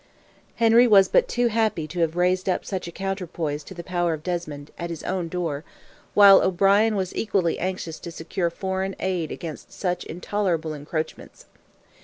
Henry was but too happy to have raised up such a counterpoise to the power of Desmond, at his own door, while O'Brien was equally anxious to secure foreign aid against such intolerable encroachments.